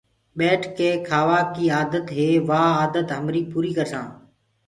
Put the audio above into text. ٻيٺ ڪي کآوائي آدتي وآ آدت همريٚ پوريٚ ڪرسآنٚ۔